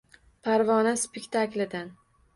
Parvona spetaklidan